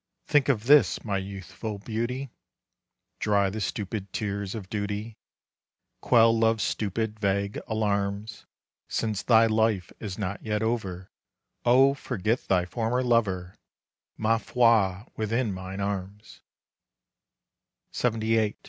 Think of this, my youthful beauty, Dry the stupid tears of duty, Quell love's stupid, vague alarms. Since thy life is not yet over, Oh forget thy former lover, Ma foi! within mine arms. LXXVIII.